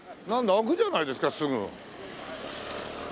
開くじゃないですかすぐ。